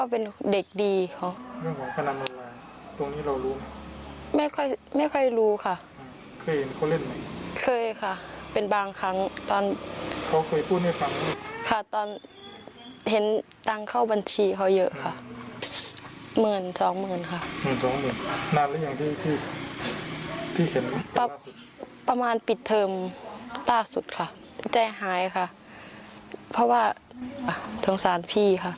ประมาณปิดเทอมล่าสุดค่ะใจหายค่ะเพราะว่าสงสารพี่ค่ะ